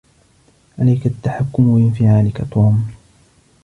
عليك التحكم بانفعالك، توم.